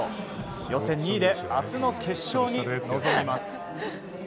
予選２位で明日の決勝に臨みます。